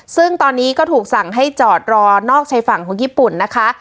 ซึ่งตอนนี้ก็ถูกสั่งให้จอดรอนอกชายฝั่งของญี่ปุ่นนะคะ